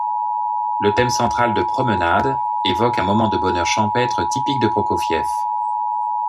Le thème central de “promenade” évoque un moment de bonheur champêtre typique de Prokofiev.